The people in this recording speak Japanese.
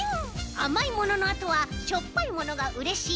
あまいもののあとはしょっぱいものがうれしいおいしいおてんき。